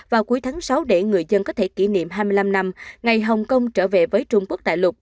vào cuối tháng sáu để người dân có thể kỷ niệm hai mươi năm năm ngày hồng kông trở về với trung quốc tại lục